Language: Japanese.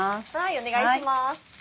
お願いします。